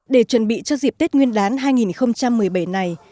để chuẩn bị cho dịp tết nguyên đán hai nghìn một mươi bảy này